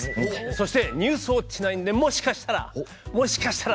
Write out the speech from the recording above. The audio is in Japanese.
そして「ニュースウオッチ９」でもしかしたら！